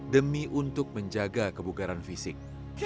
demi untuk menjaga kebugaran fisik